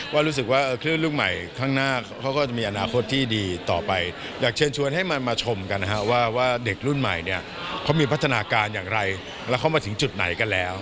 ว่ารู้สึกว่าคลื่นลูกใหม่ข้างหน้าเขาก็จะมีอนาคตที่ดีต่อไปอยากเชิญชวนให้มันมาชมกันนะฮะว่าเด็กรุ่นใหม่เนี่ยเขามีพัฒนาการอย่างไรแล้วเขามาถึงจุดไหนกันแล้ว